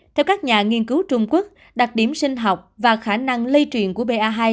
theo các nhà nghiên cứu trung quốc đặc điểm sinh học và khả năng lây truyền của ba